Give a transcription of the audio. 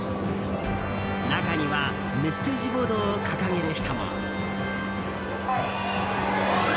中にはメッセージボードを掲げる人も。